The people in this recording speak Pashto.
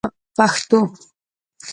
پشتو